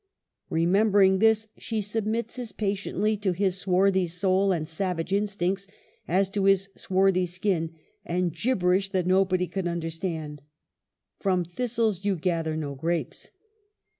Re membering this, she submits as patiently to his swarthy soul and savage instincts as to his swarthy skin and " gibberish that nobody could understand." From thistles you gather no grapes.